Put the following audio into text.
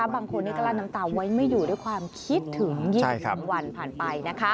บางคนกลั้นน้ำตาไว้ไม่อยู่ด้วยความคิดถึง๒๓วันผ่านไป